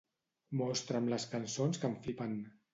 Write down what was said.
Mostra'm les cançons que em flipen.